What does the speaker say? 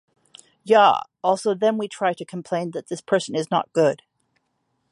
Ya! Also then we try to complain that this person is not good.